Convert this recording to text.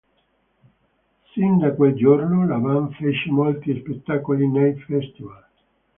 Sin da quel giorno la band fece molti spettacoli nei festival.